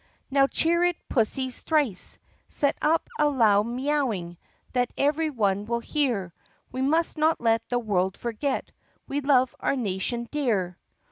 Now cheer it, pussies, thrice! Set up a loud mee owing That every one will hear! We must not let the world forget We love our nation dear!